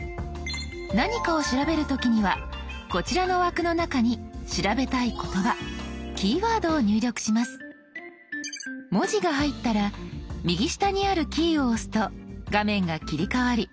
何かを調べる時にはこちらの枠の中に調べたい言葉文字が入ったら右下にあるキーを押すと画面が切り替わり